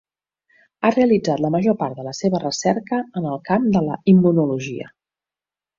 Ha realitzat la major part de la seva recerca en el camp de la immunologia.